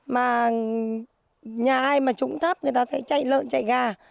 mà nhà ai mà trũng thấp người ta sẽ chạy lợn chạy gà